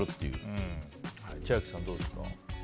千秋さん、どうですか？